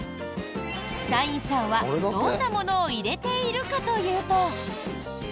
社員さんは、どんなものを入れているかというと。